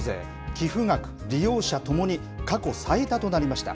寄付額、利用者ともに過去最多となりました。